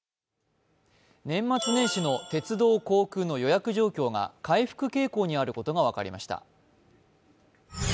年末年始の鉄道、航空の予約状況が回復傾向にあることが分かりました。